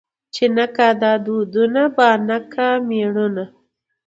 ـ چې نه کا دادونه بانه کا مېړونه.